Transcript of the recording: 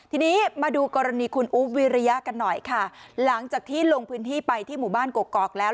ทีนี้มาดูกรณีคุณอุ๊บวิริยะกันหน่อยค่ะหลังจากที่ลงพื้นที่ไปที่หมู่บ้านกกอกแล้ว